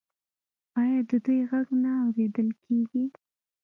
آیا د دوی غږ نه اوریدل کیږي؟